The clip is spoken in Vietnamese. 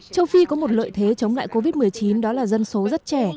châu phi có một lợi thế chống lại covid một mươi chín đó là dân số rất trẻ